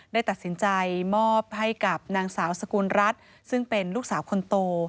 ได้ตัดสินใจมอบให้กับนางสาวสกุลรัฐซึ่งเป็นลูกสาวคนโต